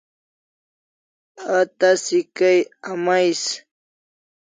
A tasi kay amais